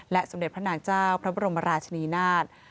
สมเด็จพระนางเจ้าพระบรมราชนีนาฏ